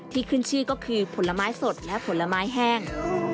ขึ้นชื่อก็คือผลไม้สดและผลไม้แห้ง